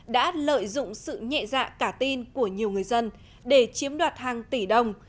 đã lợi dụng sự nhẹ dạ cả tin của nhiều người dân để chiếm đoạt hàng tỷ đồng